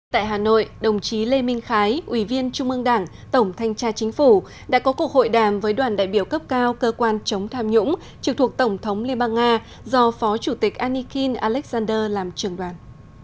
tại hà nội đồng chí lê minh khái ủy viên trung ương đảng tổng thanh tra chính phủ đã có cuộc hội đàm với đoàn đại biểu cấp cao cơ quan chống tham nhũng trực thuộc tổng thống liên bang nga do phó chủ tịch anikin alexander làm trưởng đoàn